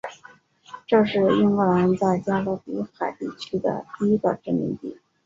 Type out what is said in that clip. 这个是英格兰在加勒比海地区的第一个殖民地。